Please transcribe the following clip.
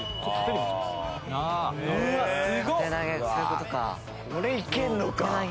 これいけんのか。